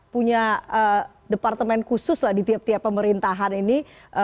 punya departemen khusus lah di tiap tiap pemerintahan ini